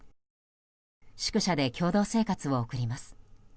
宿舎で共同生活を送ります。